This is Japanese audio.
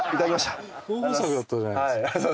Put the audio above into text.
候補作だったじゃないですか。